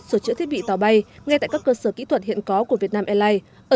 sửa chữa thiết bị tàu bay ngay tại các cơ sở kỹ thuật hiện có của việt nam airlines